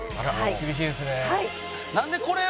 厳しいですね。